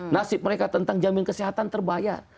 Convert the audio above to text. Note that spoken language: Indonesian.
nasib mereka tentang jamin kesehatan terbayar